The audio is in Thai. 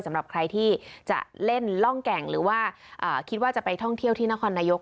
สำหรับใครที่จะเล่นล่องแก่งหรือว่าคิดว่าจะไปท่องเที่ยวที่นครนายก